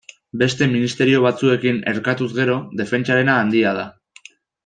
Beste ministerio batzuekin erkatuz gero, defentsarena handia da.